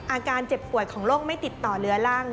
อาการเจ็บป่วยของโรคไม่ติดต่อเหลือลั่ง